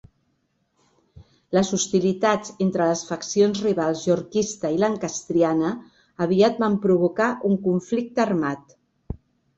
Les hostilitats entre les faccions rivals Yorkista i Lancastriana aviat van provocar un conflicte armat.